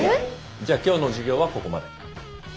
じゃあ今日の授業はここまで。